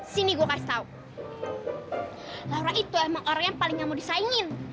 sini gue kasih tau laura itu emang orang yang paling gak mau disaingin